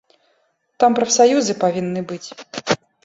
Там прафсаюзы павінны быць.